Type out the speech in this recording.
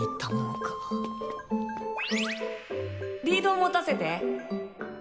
リード持たせて。